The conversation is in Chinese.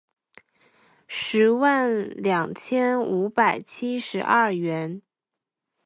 十万两千五百七十三元